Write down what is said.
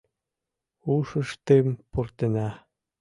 — Ушыштым пуртена!